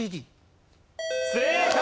正解！